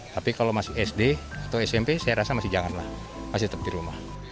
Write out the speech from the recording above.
tapi kalau masih sd atau smp saya rasa masih janganlah masih tetap di rumah